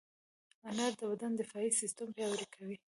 انار د بدن دفاعي سیستم پیاوړی کوي.